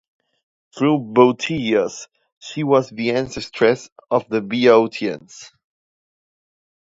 Through Boeotus, she was the ancestress of the Boeotians.